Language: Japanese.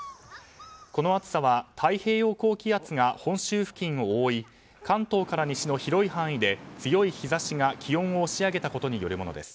この暑さは太平洋高気圧が本州付近を覆い関東から西の広い範囲で強い日差しが気温を押し上げたことによるものです。